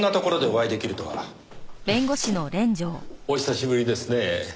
お久しぶりですねぇ。